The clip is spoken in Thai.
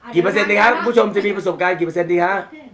กี่เปอร์เซ็นต์ค่ะกี่เปอร์เซ็นต์ค่ะ